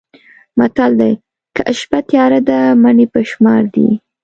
متل دی: که شپه تیاره ده مڼې په شمار دي.